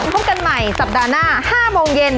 พบกันใหม่สัปดาห์หน้า๕โมงเย็น